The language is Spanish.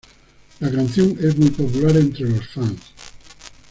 La canción es muy popular entre los fans.